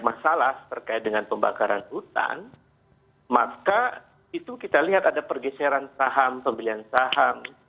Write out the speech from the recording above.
masalah terkait dengan pembakaran hutan maka itu kita lihat ada pergeseran saham pembelian saham